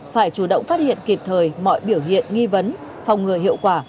phải chủ động phát hiện kịp thời mọi biểu hiện nghi vấn phòng ngừa hiệu quả